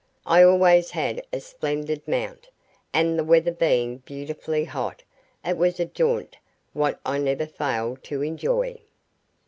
I always had a splendid mount, and the weather being beautifully hot, it was a jaunt which I never failed to enjoy.